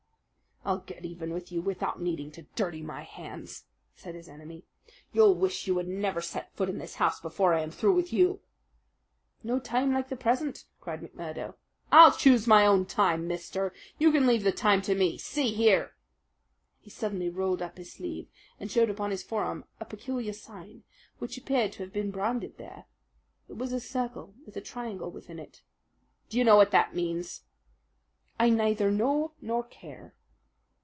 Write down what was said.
"I'll get even with you without needing to dirty my hands," said his enemy. "You'll wish you had never set foot in this house before I am through with you!" "No time like the present," cried McMurdo. "I'll choose my own time, mister. You can leave the time to me. See here!" He suddenly rolled up his sleeve and showed upon his forearm a peculiar sign which appeared to have been branded there. It was a circle with a triangle within it. "D'you know what that means?" "I neither know nor care!"